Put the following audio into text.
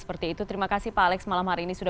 seperti itu terima kasih pak alex malam hari ini sudah